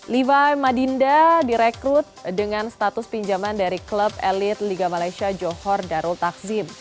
liva madinda direkrut dengan status pinjaman dari klub elit liga malaysia johor darul takzim